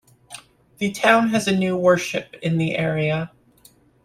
The town has a new worship in the area.